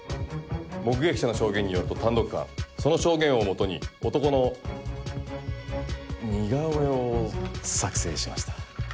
目撃者の証言によると単独犯その証言を基に男の似顔絵を作成しました。